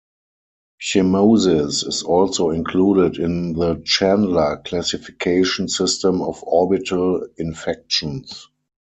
Chemosis is also included in the Chandler Classification system of orbital infections.